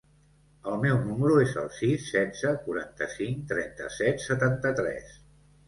El meu número es el sis, setze, quaranta-cinc, trenta-set, setanta-tres.